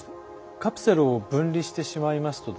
カプセルを分離してしまいますとですね